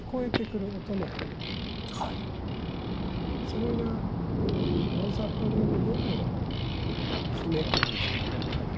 それが大ざっぱな意味での日めくりみたいなもんかな。